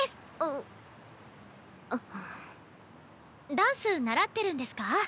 ダンス習ってるんですか？